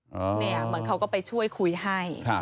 เหมือนเขาก็ไปช่วยคุยให้